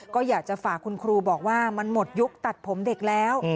ก็อยากจะฝากคุณครูบอกว่ามันหมดยุคตัดผมเด็กแล้ว